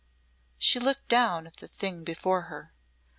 She looked down at the thing before her.